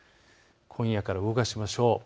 今夜から動かしましょう。